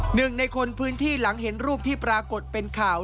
หนึ่งในคนพื้นที่หลังเห็นรูปที่ปรากฏเป็นข่าว